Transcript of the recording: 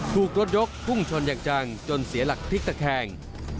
ถูกรถยกพุ่งชนอย่างจังจนเสียหลักพลิกตะแคง